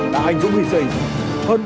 đã hành dụng hy sinh